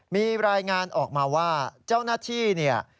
มีรายงานออกมาว่าเจ้าหน้าที่เนี่ย